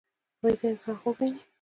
ویده انسان خوب ویني